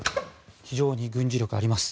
非常に軍事力、あります。